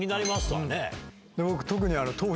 僕特に。